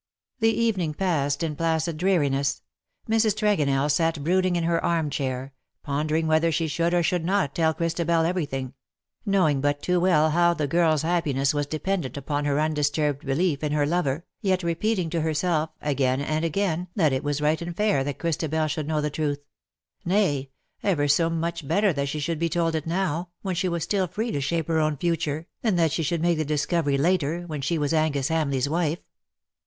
'' The evening passed in placid dreariness. Mrs. Tregonell sat brooding in her arm chair — pondering whether she should or should not tell Christabel everything — knowing but too well how the girl's happiness was dependent upon her undisturbed LE SECRET DE POLICHINELLE. 253 belief in her lover^ yet repeating to herself again and again that it was right and fair that Christabel should know the truth — nay, ever so much better that she should be told it now^ when she was still free to shape her own future, than that sne should make the discovery later, when she was Angus Hamleigh^s wife.